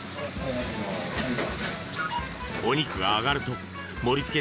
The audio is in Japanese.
お肉が揚がると盛り付け